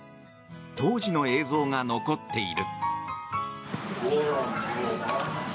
当時の映像が残っている。